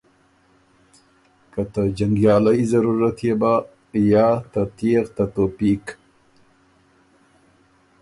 که ته جنګیالئ ضرورت يې بَۀ یا ته تيېغ ته توپیق،